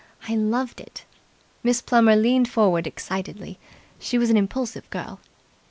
I loved it." Miss Plummer leaned forward excitedly. She was an impulsive girl.